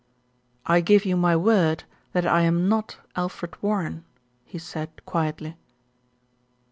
"I give you my word that I am not Alfred Warren," he said quietly.